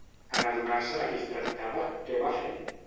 En adonar-se de qui es tractava, què va fer?